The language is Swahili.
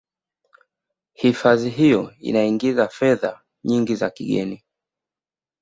hifadhi hiyo inangiza fedha nyingi za kigeni